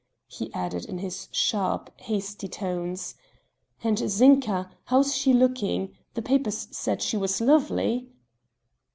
he added in his sharp, hasty tones "and Zinka how is she looking? The papers said she was lovely."